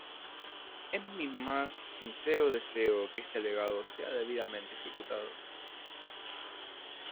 Es mi más sincero deseo que este legado sea debidamente ejecutado.